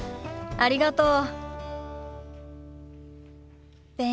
ありがとう。